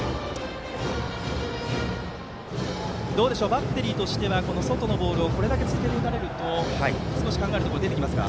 バッテリーとしては外のボールをこれだけ続けて打たれると少し考えるところも出てきますか。